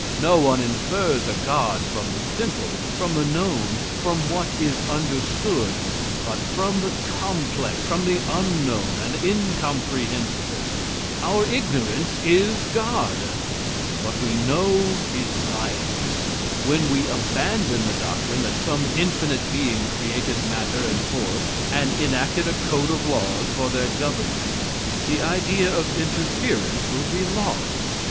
No one infers a god from the simple, from the known, from what is understood, but from the complex, from the unknown and incomprehensible. Our ignorance is God; what we know is science. When we abandon the doctrine that some infinite being created matter and force, and enacted a code of laws for their government, the idea of interference will be lost.